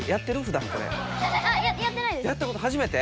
やったことはじめて？